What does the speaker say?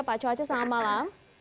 pak co aca selamat malam